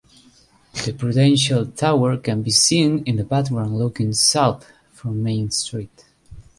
The Prudential Tower can be seen in the background looking south from Main Street.